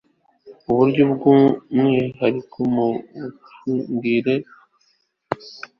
buryo bw umwihariko ku micungire y ibiza